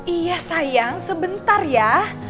iya sayang sebentar ya